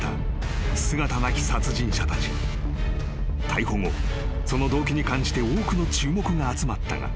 ［逮捕後その動機に関して多くの注目が集まったが］